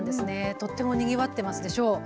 とてもにぎわっていますでしょう。